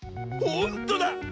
ほんとだ！